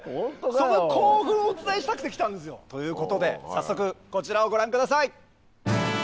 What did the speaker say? その興奮をお伝えしたくて来たんですよ。ということで早速こちらをご覧ください。